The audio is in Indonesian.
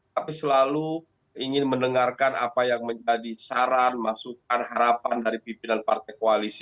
tapi selalu ingin mendengarkan apa yang menjadi saran masukan harapan dari pimpinan partai koalisi